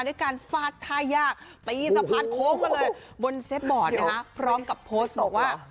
ด้วยการฟาดท่ายากตีสะพานโค้งมาเลยบนเซฟบอร์ดนะคะพร้อมกับโพสต์บอกว่า